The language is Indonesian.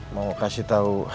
mau kasih tau